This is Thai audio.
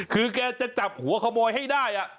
คือแกจะจับหัวขโมยให้ได้